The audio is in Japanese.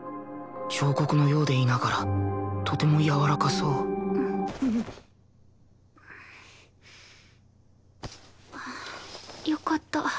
彫刻のようでいながらとてもやわらかそうはあよかった。